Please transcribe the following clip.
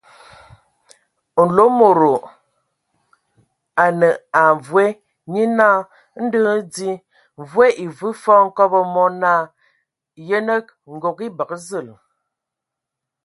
Nlomodo a nəa mvoe, nye naa : ndɔ hm di. Mvoe e vəə fɔɔ hkobo mɔ naa : Yənə, ngog. E bəgə zəl !